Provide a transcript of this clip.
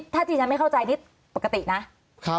ถ้าจี๊จะไม่เข้าใจนิดปกตินะ